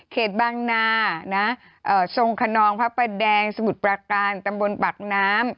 เขตบางนาทรงคณองพระแดงสมุทรปากการตำบลปากน้ำ